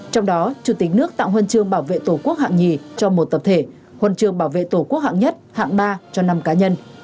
trong đó chủ tịch nước tặng huân trường bảo vệ tổ quốc hạng hai cho một tập thể huân trường bảo vệ tổ quốc hạng một hạng ba cho năm cá nhân